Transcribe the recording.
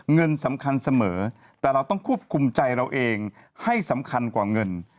เงินสำคัญเสมอแต่เราต้องควบคุมใจเราเองให้สำคัญกว่าเงิน